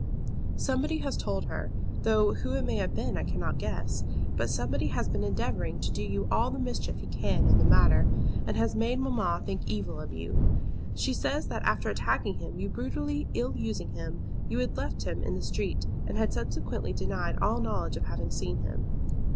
Somebody has told her, though who it may have been I cannot guess, but somebody has been endeavoring to do you all the mischief he can in the matter, and has made mamma think evil of you. She says that after attacking him, and brutally ill using him, you had left him in the street, and had subsequently denied all knowledge of having seen him.